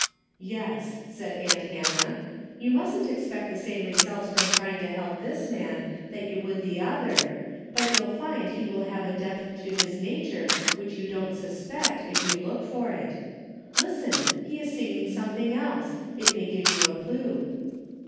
"Yes," said aunt Hannah. "You mustn't expect the same results from trying to help this man that you would the other, but you'll find he will have a depth to his nature which DAILY BATEA^ 175 you don't suspect, if you look for it. Listen ! He is singing something else. It may give you a clue."